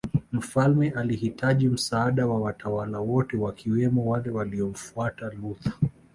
Mfalme alihitaji msaada wa watawala wote wakiwemo wale waliomfuata Luther